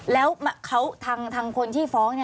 แล้วทางคนที่ฟ้อง